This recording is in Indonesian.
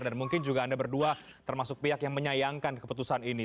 dan mungkin juga anda berdua termasuk pihak yang menyayangkan keputusan ini